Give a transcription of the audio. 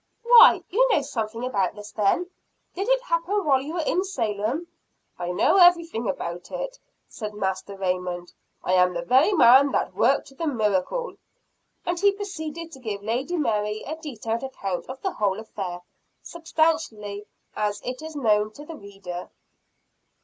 "Why, you know something about this then? Did it happen while you were in Salem?" "I know everything about it," said Master Raymond, "I am the very man that worked the miracle." And he proceeded to give Lady Mary a detailed account of the whole affair, substantially as it is known to the reader.